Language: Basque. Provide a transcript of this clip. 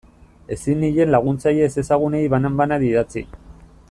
Ezin nien laguntzaile ezezagunei banan-banan idatzi.